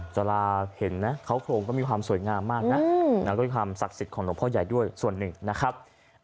สาราเห็นนะเขาโครงก็มีความสวยงามมากนะแล้วก็มีความศักดิ์สิทธิ์ของหลวงพ่อใหญ่ด้วยส่วนหนึ่งนะครับ